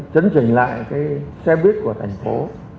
chấn trình lại cái xe buýt của thành phố